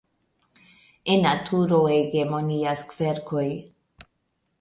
En naturo hegemonias kverkoj.